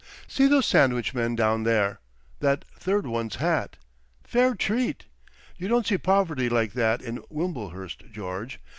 See those sandwich men down there! That third one's hat! Fair treat! You don't see poverty like that in Wimblehurst George!